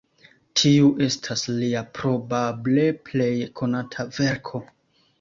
Tiu estas lia probable plej konata verko.